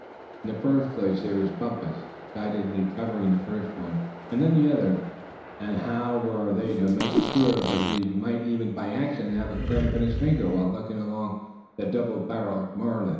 In the first place there was Bumpus, excitedly covering first one and then the other; and how were they to make sure but that he might, even by accident, have a cramp in his finger, while looking along the double barreled Marlin?